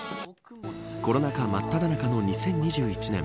コロナ禍真っただ中の２０２１年。